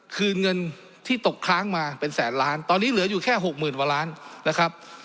คืนเงินที่ตกค้างมาเป็นแสนล้านตอนนี้เหลืออยู่แค่หกหมื่นกว่าล้านนะครับ